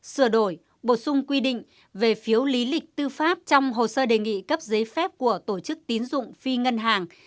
sửa đổi bổ sung quy định về phiếu lý lịch tư pháp trong hồ sơ đề nghị cấp giấy phép của tổ chức tín dụng phi ngân hàng